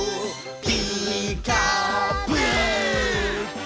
「ピーカーブ！」